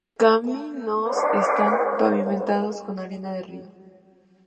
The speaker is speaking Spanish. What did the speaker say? Los caminos están pavimentados con arena de río.